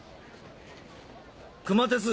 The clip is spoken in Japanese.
熊徹！